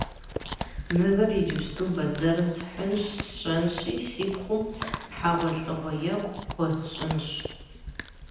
Мывэр иджыпсту бэзэрым схьынщ сщэнщи, си пхъум хьэгъуэлӀыгъуэ екӀу хуэсщӀынщ.